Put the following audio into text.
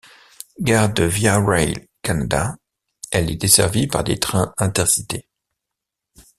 Gare de Via Rail Canada, elle est desservie par des trains intercités.